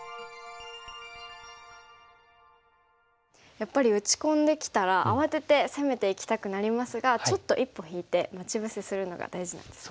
やっぱり打ち込んできたら慌てて攻めていきたくなりますがちょっと一歩引いて待ち伏せするのが大事なんですね。